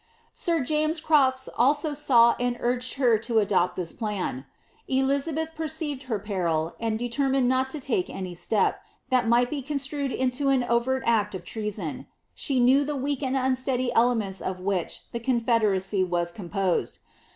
Sir James Crofts also saw and urged her to adopt this plan. Elizabeth per ceived her peril, and determined not to take any step, that might be con* Btrued into an overt act of treason. She knew the weak and unsteady elements of which the confederacy was composed.